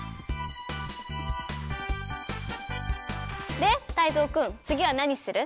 でタイゾウくんつぎはなにする？